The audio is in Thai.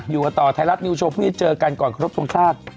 อยู่กันต่อไทยรัฐนิวโชว์พรุ่งนี้เจอกันก่อนครบทรงชาติ